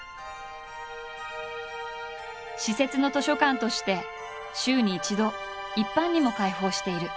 私設の図書館として週に一度一般にも開放している。